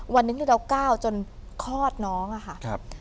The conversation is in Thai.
วันหนึ่งที่เราก้าวจนคลอดน้องอะค่ะ